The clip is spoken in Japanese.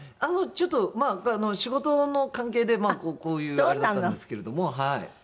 ちょっとまあ仕事の関係でこういうあれだったんですけれどもはい。